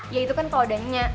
ya itu kan kalau adanya